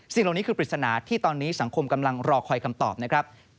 เหล่านี้คือปริศนาที่ตอนนี้สังคมกำลังรอคอยคำตอบนะครับ